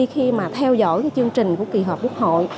khi mà theo dõi chương trình của kỳ họp quốc hội